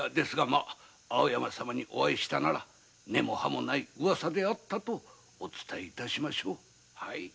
まぁ青山様にお会いしたなら根も葉もないウワサであったとお伝え致しましょう。